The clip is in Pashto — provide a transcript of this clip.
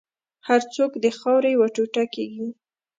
هر څوک د خاورې یو ټوټه کېږي.